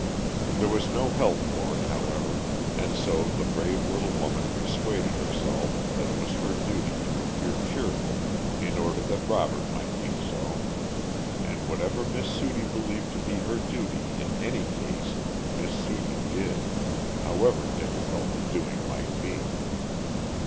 There was no help for it, however, and so the brave little woman persuaded herself that it was her duty to appear cheerful in order that Robert might be so; and whatever Miss Sudie believed to be her duty in any case Miss Sudie did, however difficult the doing might be.